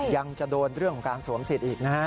ยังจะโดนเรื่องของการสวมสิทธิ์อีกนะฮะ